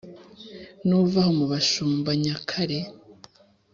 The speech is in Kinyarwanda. Nuva aho mu Bashumba-Nyakare